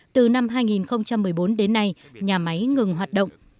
từ năm hai nghìn một mươi bốn đến nay nhà máy ngừng hoạt động